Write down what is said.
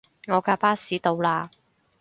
我架巴士到喇